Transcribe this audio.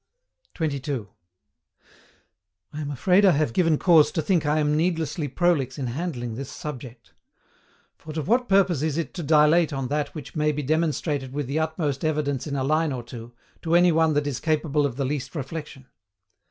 22. I am afraid I have given cause to think I am needlessly prolix in handling this subject. For, to what purpose is it to dilate on that which may be demonstrated with the utmost evidence in a line or two, to any one that is capable of the least reflexion?